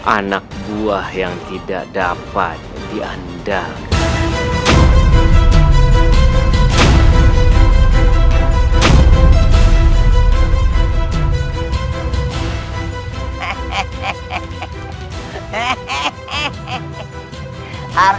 anak buah yang tidak dapat diandalkan